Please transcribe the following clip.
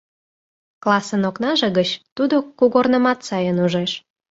Классын окнаже гыч тудо кугорнымат сайын ужеш.